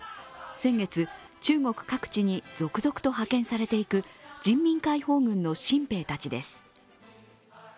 先月、中国各地に続々と派遣されていく人民解放軍の新兵たちです。